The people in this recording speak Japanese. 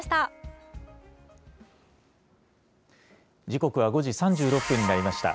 時刻は５時３６分になりました。